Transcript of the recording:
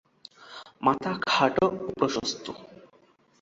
মাথা খাটো ও প্রশস্ত।